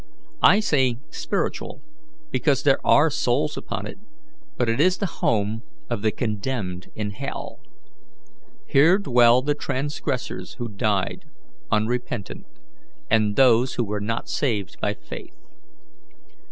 I say spiritual, because there are souls upon it; but it is the home of the condemned in hell. Here dwell the transgressors who died unrepentant, and those who were not saved by faith.